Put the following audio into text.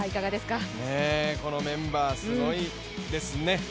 このメンバーすごいですね。